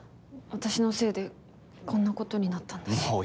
私のせいでこんな事になったんだし。